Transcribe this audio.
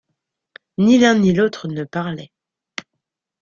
Ni l’un ni l’autre ne parlait.